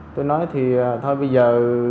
tôi nói thì thôi bây giờ